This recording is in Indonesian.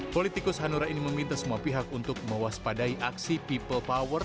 politikus hanura ini meminta semua pihak untuk mewaspadai aksi people power